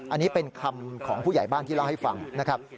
อันนี้เป็นคำของผู้ใหญ่บ้านที่เล่าให้ฟังนะครับ